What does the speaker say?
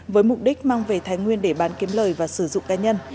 với mục đích mang về thái nguyên để bán kiếm lời và sử dụng ca nhân